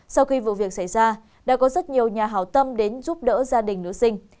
sau khi vụ việc xảy ra đã có rất nhiều nhà hào tâm đến giúp đỡ gia đình nữ sinh